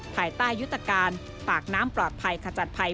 ภายใต้ยุทธการปากน้ำปลอดภัยขจัดภัย